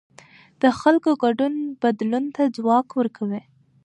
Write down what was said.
د خلکو ګډون بدلون ته ځواک ورکوي